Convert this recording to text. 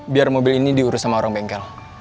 biar mobil ini diurus sama orang bengkel